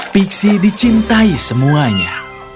biksi dicintai semuanya